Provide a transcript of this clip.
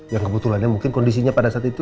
yang kebetulannya mungkin kondisinya pada saat itu